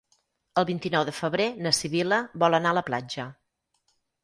El vint-i-nou de febrer na Sibil·la vol anar a la platja.